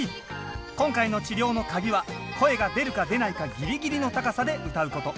今回の治療のカギは声が出るか出ないかギリギリの高さで歌うこと。